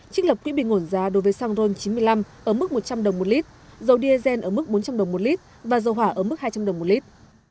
trích lập quỹ bị ngổn giá đối với xăng rôn chín mươi năm ở mức một trăm linh đồng một lit dầu diesel ở mức bốn trăm linh đồng một lit và dầu hỏa ở mức hai trăm linh đồng một lit